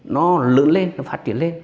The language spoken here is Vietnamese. nó lớn lên nó phát triển lên